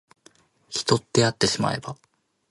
人ってあってしまえば